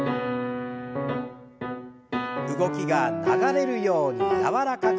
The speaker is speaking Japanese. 動きが流れるように柔らかく。